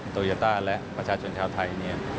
โตโยต้าและประชาชนชาวไทยเนี่ย